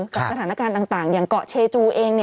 กับสถานการณ์ต่างอย่างเกาะเชจูเอง